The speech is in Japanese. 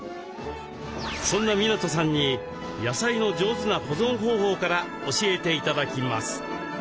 そんな湊さんに野菜の上手な保存方法から教えて頂きます。